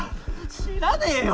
知らねぇよ！